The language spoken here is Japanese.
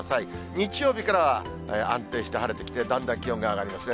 日曜日からは安定して晴れてきて、だんだん気温が上がりますね。